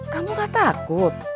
kamu gak takut